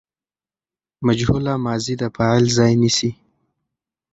مجهوله ماضي د فاعل ځای نیسي.